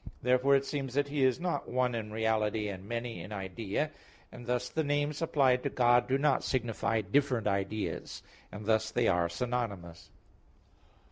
Therefore it seems that He is not one in reality and many in idea; and thus the names applied to God do not signify different ideas; and thus they are synonymous.